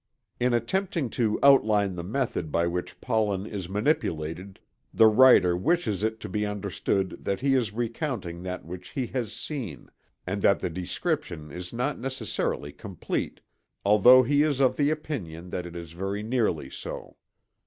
In attempting to outline the method by which pollen is manipulated the writer wishes it to be understood that he is recounting that which he has seen and that the description is not necessarily complete, although he is of the opinion that it is very nearly so.